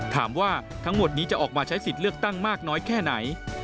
ถามว่าทั้งหมดนี้จะออกมาใช้สิทธิ์เลือกตั้งมากน้อยแค่ไหน